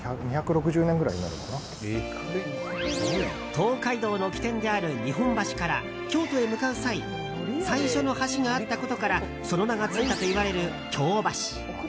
東海道の起点である日本橋から京都へ向かう際最初の橋があったことからその名がついたといわれる京橋。